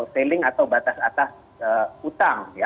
sailing atau batas atas utang ya